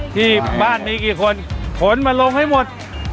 ที่บ้านมีกี่คนขนมาลงให้หมด